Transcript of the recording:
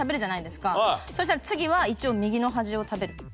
そしたら次は一応右の端を食べる。